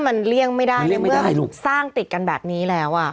มันเลี่ยงไม่ได้ในเมื่อสร้างติดกันแบบนี้แล้ว